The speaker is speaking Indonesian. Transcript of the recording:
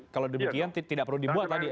kalau demikian tidak perlu dibuat tadi